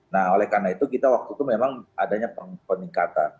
nah oleh karena itu kita waktu itu memang adanya peningkatan